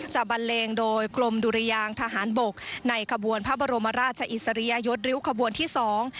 บันเลงโดยกรมดุรยางทหารบกในขบวนพระบรมราชอิสริยยศริ้วขบวนที่สอง